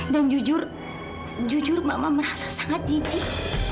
dan jujur jujur mama merasa sangat jijik